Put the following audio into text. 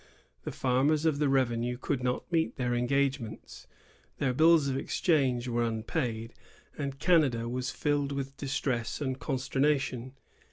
The farmers of the revenue could not meet their engage mente. Their bills of exchange were unpaid, and Canada was filled with distress and consternation.